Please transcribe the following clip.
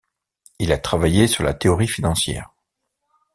Il a travaillé sur la théorie financière.